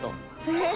えっ！